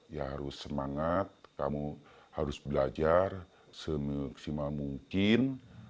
ya harus semangat kamu harus belajar semaksimal mungkin